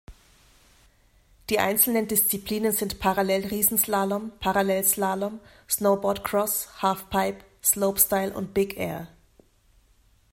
Die einzelnen Disziplinen sind Parallel-Riesenslalom, Parallelslalom, Snowboardcross, Halfpipe, Slopestyle und Big Air.